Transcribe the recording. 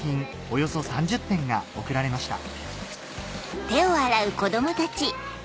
およそ３０点が贈られました